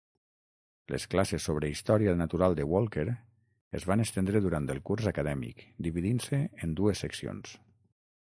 Les classes sobre història natural de Walker es van estendre durant el curs acadèmic, dividint-se en dues seccions.